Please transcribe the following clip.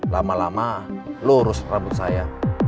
lama lama lurus rambut saya